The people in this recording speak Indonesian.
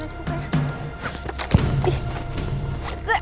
bangunin kemana sih pokoknya